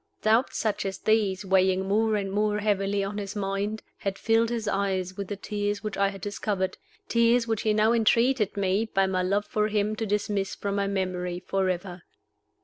Doubts such as these, weighing more and more heavily on his mind, had filled his eyes with the tears which I had discovered tears which he now entreated me, by my love for him, to dismiss from my memory forever.